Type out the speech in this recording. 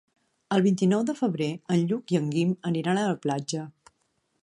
El vint-i-nou de febrer en Lluc i en Guim aniran a la platja.